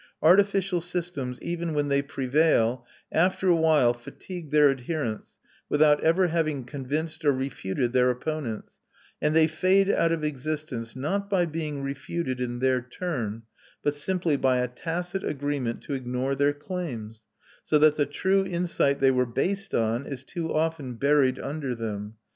Artificial systems, even when they prevail, after a while fatigue their adherents, without ever having convinced or refuted their opponents, and they fade out of existence not by being refuted in their turn, but simply by a tacit agreement to ignore their claims: so that the true insight they were based on is too often buried under them.